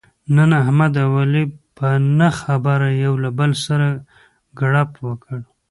نن احمد او علي په نه خبره یو له بل سره کړپ وکړ.